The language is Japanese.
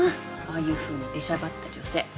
ああいうふうに出しゃばった女性。